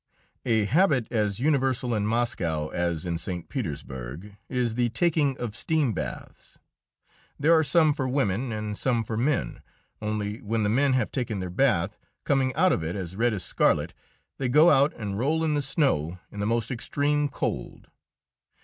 A habit as universal in Moscow as in St. Petersburg is the taking of steam baths. There are some for women and some for men, only when the men have taken their bath, coming out of it as red as scarlet, they go out and roll in the snow in the most extreme cold.